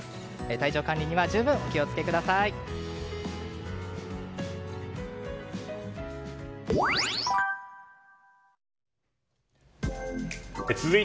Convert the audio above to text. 体調管理には十分お気を付けください。